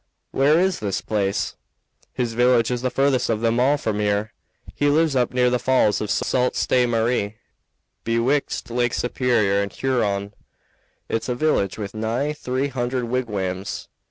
"Where is his place?" "His village is the furthest of them all from here. He lives up near the falls of Sault Ste. Marie, betwixt Lakes Superior and Huron. It's a village with nigh three hundred wigwams."